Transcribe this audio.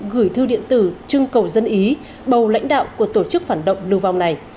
gửi thư điện tử trưng cầu dân ý bầu lãnh đạo của tổ chức phản động lưu vong này